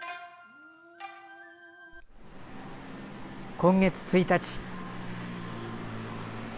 今月１日。